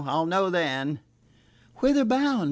I'll know then." "Whither bound?"